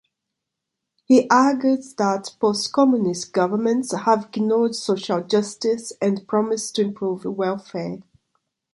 He argued that post-Communist governments have ignored social justice and promised to improve welfare.